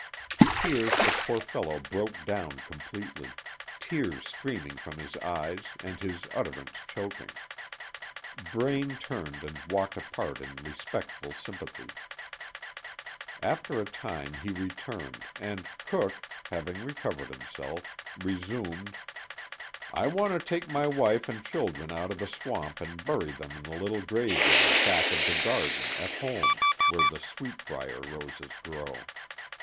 _" Here the poor fellow broke down completely, tears streaming from his eyes and his utterance choking. Braine turned and walked apart in respectful sympathy. After a time he returned, and Cooke, having recovered himself, resumed: "I want to take my wife and children out of the swamp and bury them in the little graveyard back of the garden at home, where the sweet briar roses grow.